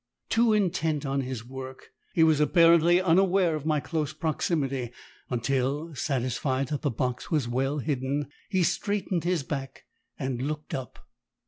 Too intent on his work, he was apparently unaware of my close proximity, until, satisfied that the box was well hidden, he straightened his back and looked up.